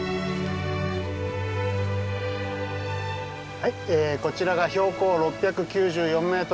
はいこちらが標高６９４ｍ